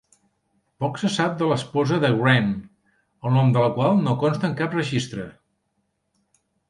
Poc se sap de l'esposa de Wren, el nom de la qual no consta en cap registre.